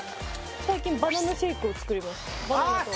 最近バナナシェイクを作りますあーっ